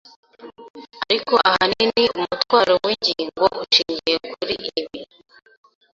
Ariko ahanini umutwaro w'ingingo ushingiye kuri ibi